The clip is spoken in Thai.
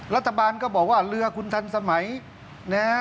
รัฐบาลก็บอกว่าเรือคุณทันสมัยนะฮะ